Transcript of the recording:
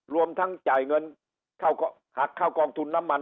รวมทั้งจ่ายเงินหักเข้ากองทุนน้ำมัน